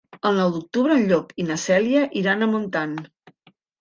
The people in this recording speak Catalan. El nou d'octubre en Llop i na Cèlia iran a Montant.